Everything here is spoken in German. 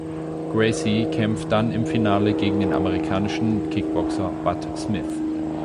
Gracie kämpfte dann im Finale gegen den amerikanischen Kickboxer Bud Smith.